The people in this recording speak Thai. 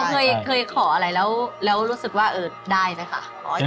ไม่ติดขัด